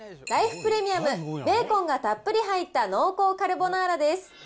プレミアム、ベーコンがたっぷり入った濃厚カルボナーラです。